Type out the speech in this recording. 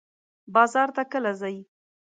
بازار ته کله ځئ؟